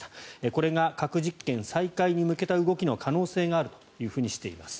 これが核実験再開に向けた動きの可能性があるとしています。